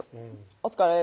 「お疲れ」